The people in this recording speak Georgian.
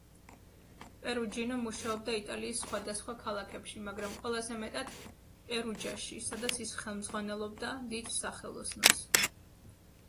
პერუჯინო მუშაობდა იტალიის სხვადასხვა ქალაქებში, მაგრამ ყველაზე მეტად პერუჯაში, სადაც ის ხელმძღვანელობდა დიდ სახელოსნოს.